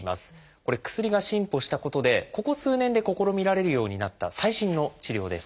これ薬が進歩したことでここ数年で試みられるようになった最新の治療です。